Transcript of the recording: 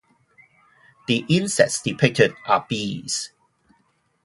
The insects depicted are bees.